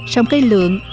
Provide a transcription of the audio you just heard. sông cây lượng